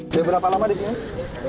sudah berapa lama disini